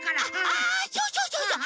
あそうそうそうそう！